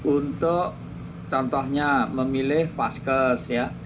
untuk contohnya memilih vaskes ya